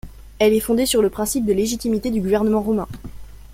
Elle est fondée sur le principe de légitimité du gouvernement roumain.